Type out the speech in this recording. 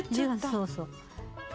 そうそう。